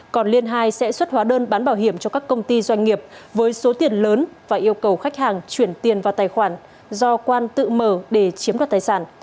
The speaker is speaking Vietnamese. còn liên hai sẽ xuất hóa đơn bán bảo hiểm cho các công ty doanh nghiệp với số tiền lớn và yêu cầu khách hàng chuyển tiền vào tài khoản do quan tự mở để chiếm đoạt tài sản